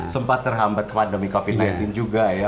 sempat terhambat pandemi covid sembilan belas juga ya